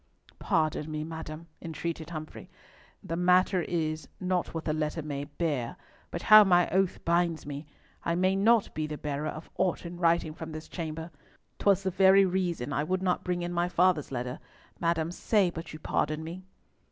"Pardon me, madam," entreated Humfrey. "The matter is, not what the letter may bear, but how my oath binds me! I may not be the bearer of aught in writing from this chamber. 'Twas the very reason I would not bring in my father's letter. Madam, say but you pardon me."